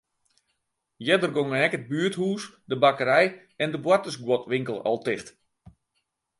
Earder gongen ek it buerthûs, de bakkerij en de boartersguodwinkel al ticht.